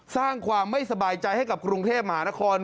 สร้างความไม่สบายใจให้กับกรุงเทพมหานคร